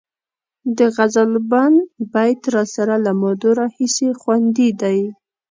د غزلبڼ بیت راسره له مودو راهیسې خوندي دی.